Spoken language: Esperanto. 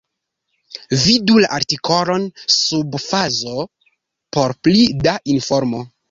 Vidu la artikolon sub fazo por pli da informo.